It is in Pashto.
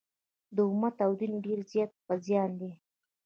د امت او دین ډېر زیات په زیان دي.